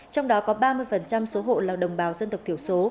trong đó có ba mươi số hộ là đồng bào dân tộc thiểu số